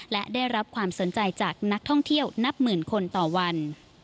และได้รับความสนใจจากนักท่องเที่ยวนับหมื่นคนต่อวัน